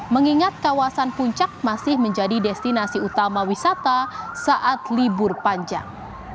mengingat kawasan puncak masih menjadi destinasi utama wisata saat libur panjang